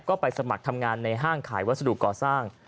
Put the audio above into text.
ก็ไปสมัครทำงานในห้างขายวัสดุก่อสร้าง